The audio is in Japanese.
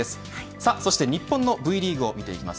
さあ日本のＶリーグを見てきます。